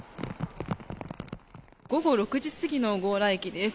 午後６時過ぎの強羅駅です。